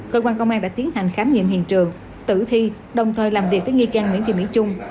cơ quan công an đã tiến hành khám nghiệm hiện trường tử thi đồng thời làm việc với nghi can nguyễn thị mỹ trung